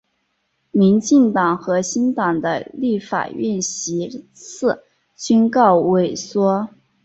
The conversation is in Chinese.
民进党和新党的立法院席次均告萎缩。